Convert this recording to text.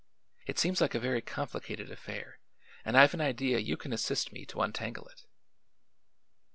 It seems like a very complicated affair and I've an idea you can assist me to untangle it."